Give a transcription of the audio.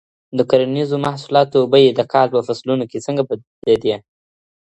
د کرنیزو محصولاتو بیې د کال په فصلونو کي څنګه بدلېدې؟